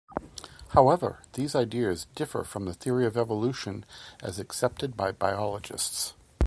However, these ideas differ from the theory of evolution as accepted by biologists.